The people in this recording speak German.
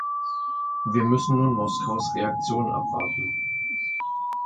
Wir müssen nun Moskaus Reaktion abwarten.